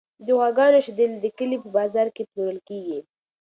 د غواګانو شیدې د کلي په بازار کې پلورل کیږي.